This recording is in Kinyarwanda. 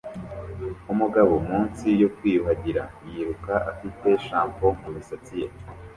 Umugabo munsi yo kwiyuhagira yiruka afite shampoo mumisatsi ye